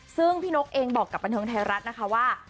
ซึ่งพี่นกเองบอกกับบันเทิงไทยรัฐนะคะว่า